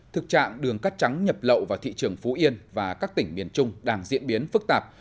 thực trạng đường cắt trắng nhập lậu vào thị trường phú yên và các tỉnh miền trung đang diễn biến phức tạp